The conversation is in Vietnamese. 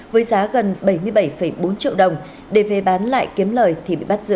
với giá gần bảy mươi bảy bốn triệu đồng để về bán lại kiếm lời thì bị bắt giữ